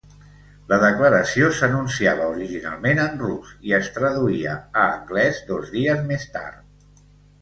La declaració s'anunciava originalment en rus i es traduïa a anglès dos dies més tard.